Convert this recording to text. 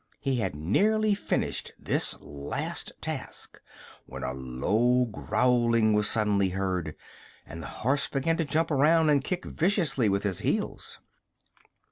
He had nearly finished this last task when a low growling was suddenly heard and the horse began to jump around and kick viciously with his heels.